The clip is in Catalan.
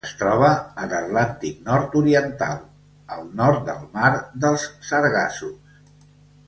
Es troba a l'Atlàntic nord-oriental: el nord del mar dels Sargassos.